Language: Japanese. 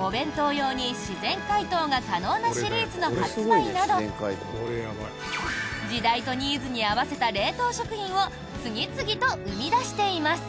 お弁当用に自然解凍が可能なシリーズの発売など時代とニーズに合わせた冷凍食品を次々と生み出しています。